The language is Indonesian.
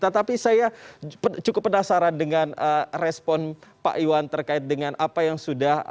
tetapi saya cukup penasaran dengan respon pak iwan terkait dengan apa yang sudah